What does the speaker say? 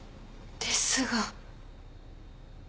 ですが。